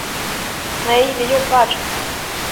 Nej, vi jobbar.